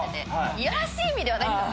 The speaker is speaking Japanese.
いやらしい意味ではないんですよ。